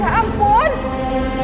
debit aja ya